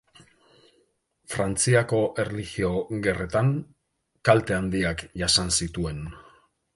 Frantziako Erlijio Gerretan kalte handiak jasan zituen.